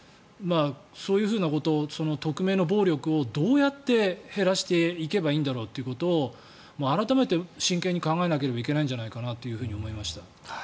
そういうふうなこと匿名の暴力というのをどうやって減らしていけばいいんだろうということを改めて真剣に考えなければいけないんじゃないかなと思いました。